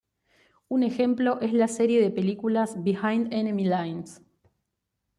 Un ejemplo es la serie de películas "Behind Enemy Lines".